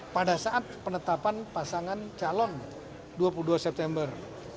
pada saat penetapan pasangan calon dua puluh dua september